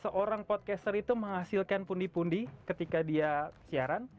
seorang podcaster itu menghasilkan pundi pundi ketika dia siaran